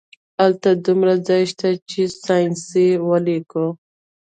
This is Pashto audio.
هلته دومره ځای شته چې ساینسي ولیکو